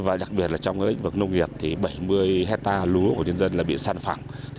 và đặc biệt là trong lĩnh vực nông nghiệp thì bảy mươi hectare lúa của nhân dân là bị săn phẳng